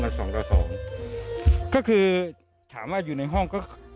ก็คือถามว่าอยู่ในห้อง